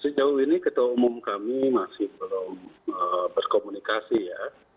sejauh ini ketua umum kami masih belum berkomunikasi ya